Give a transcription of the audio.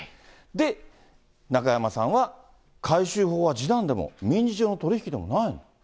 で、中山さんは回収法は示談でも民事上の取り引きでもない。